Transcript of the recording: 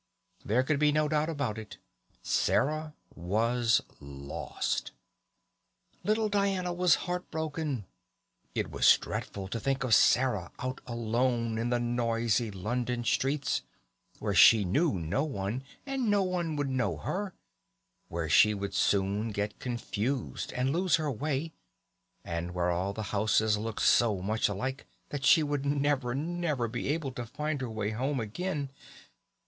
There could be no doubt about it Sarah was lost! Little Diana was heart broken. It was dreadful to think of Sarah out alone in the noisy London streets, where she knew no one and no one would know her, where she would soon get confused and lose her way, and where all the houses looked so much alike that she would never, never be able to find her home again.